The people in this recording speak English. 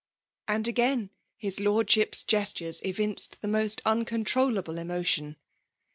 *') And again, his Lorddisp*s gestures evinced Ibe most uacontrolIaUe emotion.